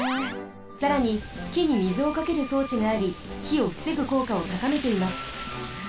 さらにきに水をかけるそうちがありひをふせぐこうかをたかめています。